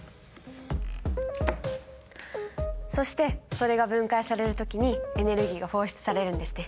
そしてそれが分解される時にエネルギーが放出されるんですね。